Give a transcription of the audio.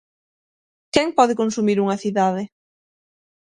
Quen pode consumir unha cidade?